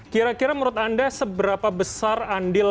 kira kira menurut anda seberapa besar pelatih yang akan diberikan oleh persib